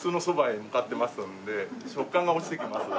食感が落ちてきます。